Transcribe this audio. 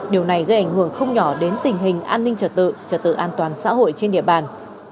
điều này gây ảnh hưởng không nhỏ đến tình hình an ninh trật tự trật tự an toàn xã hội trên địa bàn